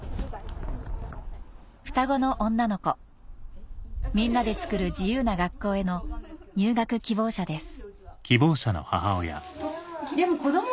双子の女の子「みんなでつくる自由ながっこう」への入学希望者です